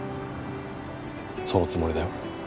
そのつもりだよ。